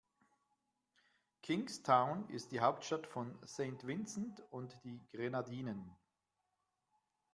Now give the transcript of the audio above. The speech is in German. Kingstown ist die Hauptstadt von St. Vincent und die Grenadinen.